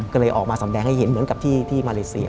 ก็เลยออกมาสำแดงให้เห็นเหมือนกับที่มาเลเซีย